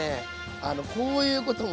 あのこういうこともね